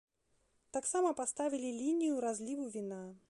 Таксама паставілі лінію разліву віна.